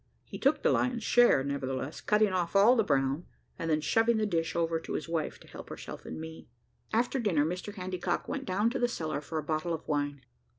He took the lion's share, nevertheless, cutting off all the brown, and then shoving the dish over to his wife to help herself and me. After dinner, Mr Handycock went down to the cellar for a bottle of wine.